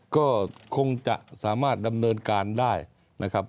ก็คงจะสามารถดำเนินการได้นะครับ